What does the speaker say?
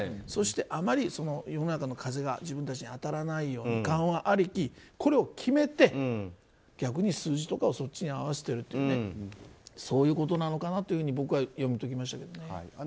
そしてあまり世の中の風が自分たちに当たらないように緩和ありき、これを決めて逆に数字とかをそっちに合わせているということなのかなと僕は読み解きましたけどね。